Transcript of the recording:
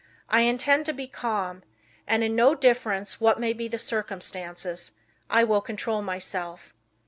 I intend to be calm, and, no difference what may be the circumstances, I will control myself.